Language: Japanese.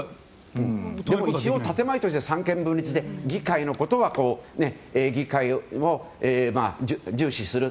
一応、建前としては三権分立で議会のことは議会を重視する。